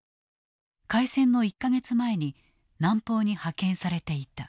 開戦の１か月前に南方に派遣されていた。